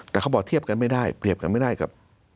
แต่เขาบอกเทียบกันไม่ได้เปรียบกันไม่ได้กับ